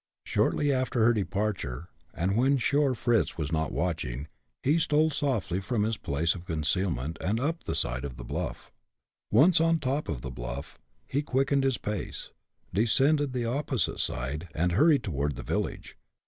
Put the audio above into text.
Shortly after her departure, and when sure Fritz was not watching, he stole softly from his place of concealment and up the side of the bluff. Once on top of the bluff, he quickened his pace, descended the opposite side, and hurried toward the village.